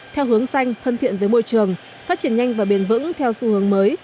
theo hướng xanh thân thiện với môi trường phát triển nhanh và bền vững theo xu hướng mới